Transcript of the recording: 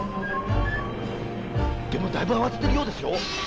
でもだいぶ慌ててるようですよ。